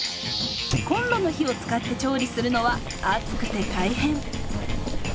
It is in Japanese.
コンロの火を使って調理するのは暑くて大変。